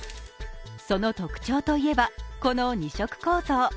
その特徴といえば、この２色構造。